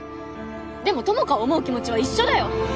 でも友果を思う気持ちは一緒だよ！